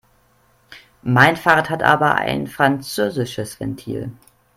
Mein Fahrrad hat aber ein französisches Ventil.